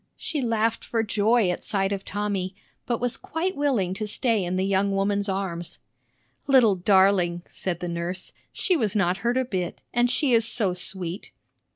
She laughed for joy at sight of Tommy, but was quite willing to stay in the young woman's arms. "Little darling!" said the nurse. "She was not hurt a bit; and she is so sweet!"